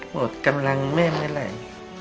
หมดกำลังแม่เมื่อไหร่